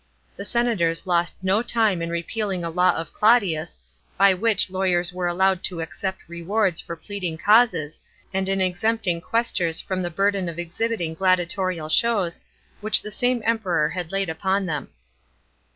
The senators lost no time in repealing a law of Claudius, by which lawyers were allowed to accept rewards for pleading causes, and in exempting quaestors from the burden of exhibiting gladiatorial shows, which the same Emperor had laid upon them.